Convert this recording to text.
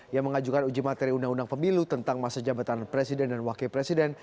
yang mengajukan uji materi undang undang pemilu tentang masa jabatan presiden dan wakil presiden